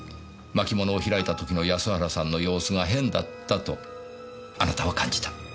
巻物を開いたときの安原さんの様子が変だったとあなたは感じた。